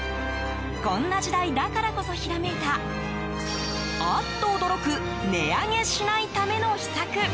こんな時代だからこそひらめいたアッと驚く値上げしないための秘策。